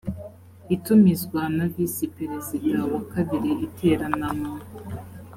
itumizwa na visi perezida wa kabiri iterana mu